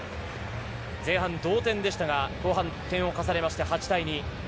前半同点でしたが、後半に点を重ねました８対２。